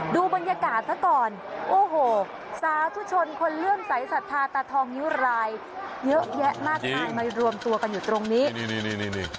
ดูบรรยากาศซะก่อนโอ้โหสาธุชนคนเลื่อมใสสัทธาตาทองนิ้วรายเยอะแยะมากมายมารวมตัวกันอยู่ตรงนี้นี่นี่